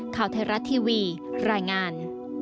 ข่าวเทราะห์ทีวีรายงาน